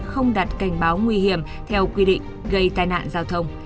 không đặt cảnh báo nguy hiểm theo quy định gây tai nạn giao thông